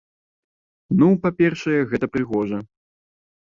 Ну, па-першае, гэта прыгожа.